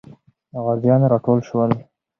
غازیان راټول سول.